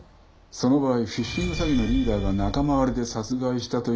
その場合フィッシング詐欺のリーダーが仲間割れで殺害したという犯人像とはブレが生じる。